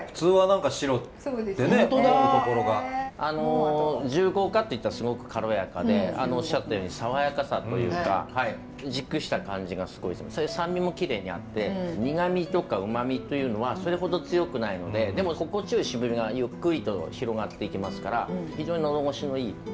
あの重厚かっていったらすごく軽やかでおっしゃったように爽やかさというか熟した感じがすごい酸味もきれいにあって苦みとかうまみというのはそれほど強くないのででも心地よい渋みがゆっくりと広がっていきますから非常に喉越しのいい。